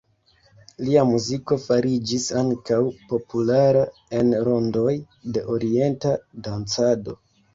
Lia muziko fariĝis ankaŭ populara en rondoj de orienta dancado.